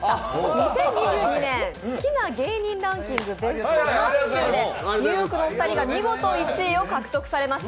２０２２年好きな芸人ベスト３０でニューヨークのお二人が見事１位を獲得されました。